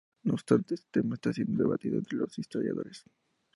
No obstante, este tema está siendo debatido entre los historiadores.